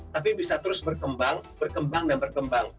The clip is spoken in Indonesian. tapi bisa terus berkembang berkembang dan berkembang